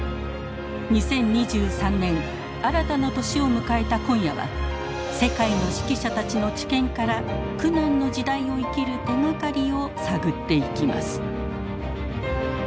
２０２３年新たな年を迎えた今夜は世界の識者たちの知見から苦難の時代を生きる手がかりを探っていきます。